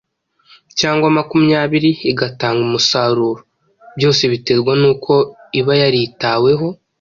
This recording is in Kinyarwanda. cyangwa makumyabiri igitanga umusaruro. Byose biterwa n’uko iba yaritaweho.